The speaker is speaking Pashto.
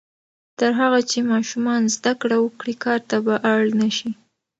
تر هغه چې ماشومان زده کړه وکړي، کار ته به اړ نه شي.